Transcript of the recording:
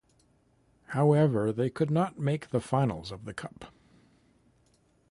However they could not make the finals of the Cup.